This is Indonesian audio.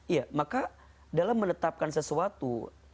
iya maka dalam menetapkan sesuatu